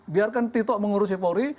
biarkan tito mengurusi polri